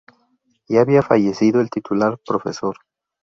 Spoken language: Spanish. Ya había fallecido el titular Prof.